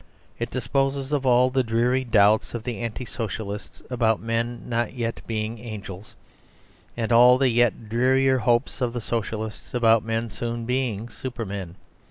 It disposes of all the dreary doubts of the Anti Socialists about men not yet being angels, and all the yet drearier hopes of the Socialists about men soon being supermen.